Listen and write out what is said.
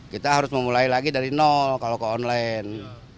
kita harus memulai lagi dari nol kalau ke online